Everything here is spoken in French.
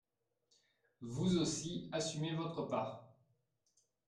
Vous aussi, assumez votre part